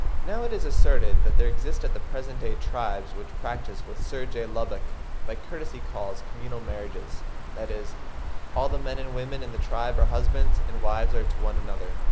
Now it is asserted that there exist at the present day tribes which practise what Sir J. Lubbock by courtesy calls communal marriages; that is, all the men and women in the tribe are husbands and wives to one another.